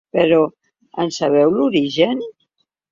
Però, en sabeu l’origen?